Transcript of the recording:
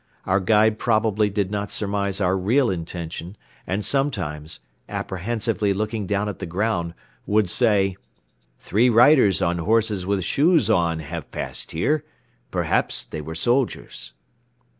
Our guide probably did not surmise our real intention and sometimes, apprehensively looking down at the ground, would say: "Three riders on horses with shoes on have passed here. Perhaps they were soldiers."